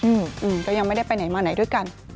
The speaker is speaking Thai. อืมก็ยังไม่ได้ไปไหนมาไหนด้วยกัน